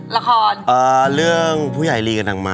ละครเรื่องผู้ใหญ่ลีกับนางไม้